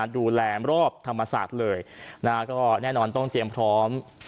ดูแลมรอบธรรมศาสตร์เลยนะครับก็แน่นอนต้องเตรียมพร้อม